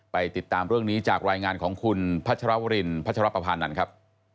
ติดตามเรื่องนี้จากรายงานของคุณพัชรวรินพัชรปภานันทร์ครับ